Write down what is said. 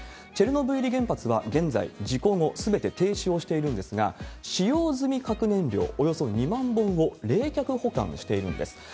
チェルノブイリ原発は現在、事故後すべて停止をしているんですが、使用済み核燃料およそ２万本を冷却保管しているんです。